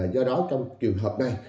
do đó trong trường hợp này